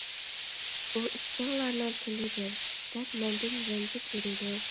ئۇ: ئىككىڭلارنىڭ تىلى بىر، دەپ مەندىن رەنجىپ يۈرىدۇ.